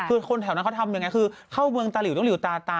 คือคนแถวนั้นเขาทำยังไงคือเข้าเมืองตาหลิวต้องหลิวตาตา